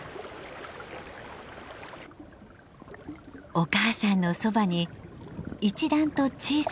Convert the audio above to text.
お母さんのそばに一段と小さな体。